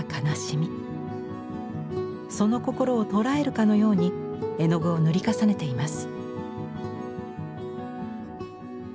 その心を捉えるかのように絵の具を塗り重ねています。